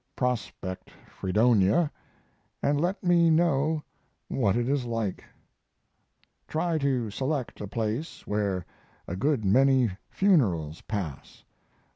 Prospect Fredonia and let me know what it is like. Try to select a place where a good many funerals pass.